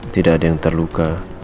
tidak ada yang terluka